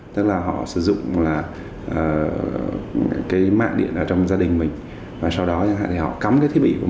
tức là họ sử dụng là cái mạng điện ở trong gia đình mình và sau đó thì họ cấm cái thiết bị của